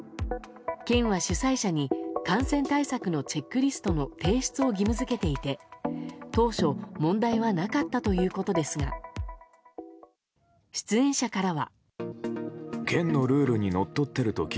県は主催者に感染対策のチェックリストの提出を義務付けていて当初、問題はなかったということですが出演者からは。